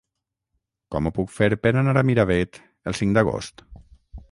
Com ho puc fer per anar a Miravet el cinc d'agost?